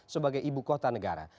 sebagai ibu kota negara